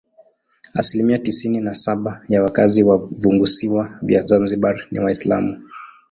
Asilimia tisini na saba ya wakazi wa funguvisiwa vya Zanzibar ni Waislamu.